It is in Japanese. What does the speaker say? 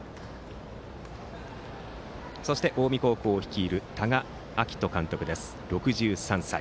そして、近江高校を率いる多賀章仁監督、６３歳。